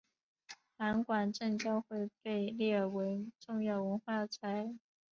函馆正教会被列为重要文化财。